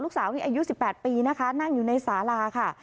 สาวนี่อายุ๑๘ปีนะคะนั่งอยู่ในสาลาค่ะ